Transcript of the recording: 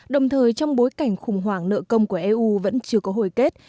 đồng thời trong bối cảnh khủng hoảng nợ công của eu vẫn chưa có hồi kết